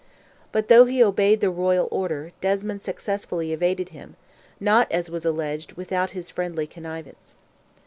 But, though he obeyed the royal order, Desmond successfully evaded him, not, as was alleged, without his friendly connivance.